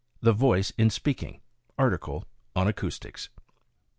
"— The Voice in peak ing. Article on Acoustics.